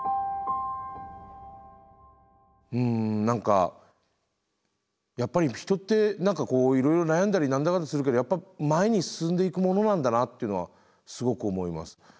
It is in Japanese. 何かやっぱり人って何かこういろいろ悩んだり何だかんだするけどやっぱ前に進んでいくものなんだなっていうのはすごく思います。